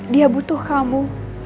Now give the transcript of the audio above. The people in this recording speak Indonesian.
dia butuh kamu